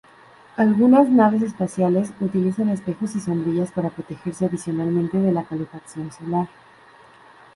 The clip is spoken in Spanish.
Algunas naves espaciales utilizan espejos y sombrillas para protegerse adicionalmente de la calefacción solar.